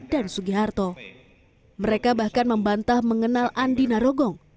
tenggu juwarno juga mendapat aliran uang dari pengusaha andi narogong